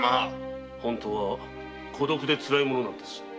本当は孤独でつらいものです。